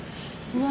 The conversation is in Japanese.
うわ！